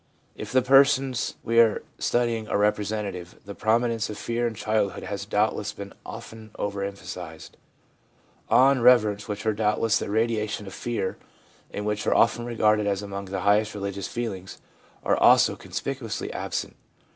If the persons we are studying are representative, the prominence of fear in childhood has doubtless been often over emphasised. 2 Awe and reverence, which are doubtless the irradiation of fear, and which are often regarded as among the highest religious feelings, are also conspicuously absent.